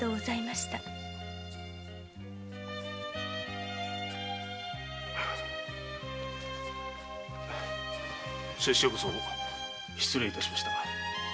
せっしゃこそ失礼致しました。